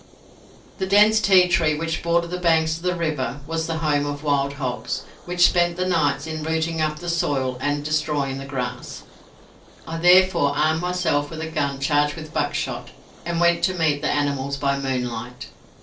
The dense tea tree which bordered the banks of the river was the home of wild hogs, which spent the nights in rooting up the soil and destroying the grass. I therefore armed myself with a gun charged with buckshot, and went to meet the animals by moonlight.